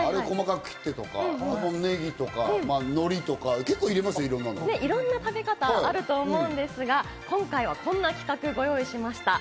細かく切ってとか、ネギとか海苔とか、いろんな食べ方があると思うんですが、今回はこんな企画ご用意しました。